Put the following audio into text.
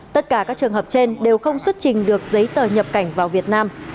tất cả các trường hợp trên đều không xuất trình được giấy tờ nhập cảnh vào việt nam